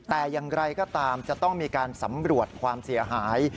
แต่อย่างไรก็ตามจะต้องมีการสำรวจความเสียหาย